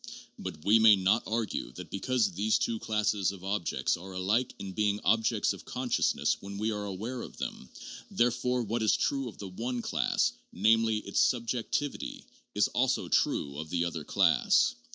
But we may not argue that because these two classes of objects are alike in being objects of consciousness when we are aware of them, there fore what is true of the one class, namely, its subjectivity, is also true of the other class.